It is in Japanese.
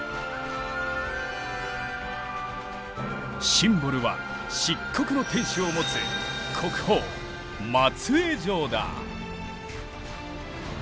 シンボルは漆黒の天守を持つ国宝松江城だ。